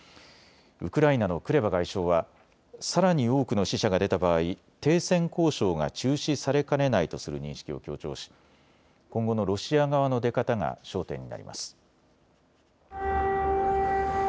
ウクライナのクレバ外相はさらに多くの死者が出た場合、停戦交渉が中止されかねないとする認識を強調し今後のロシア側の出方が焦点になります。